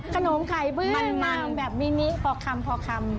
ขนมไข่เบื่อมอันแบบมินิพิคัม